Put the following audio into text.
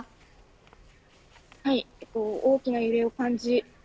大きな揺れを感じ